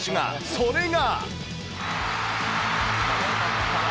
それが。